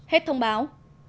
hết thông báo